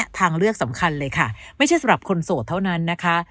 ทางเลือกสำคัญเลยค่ะไม่ใช่สำหรับคนโสดเท่านั้นนะคะ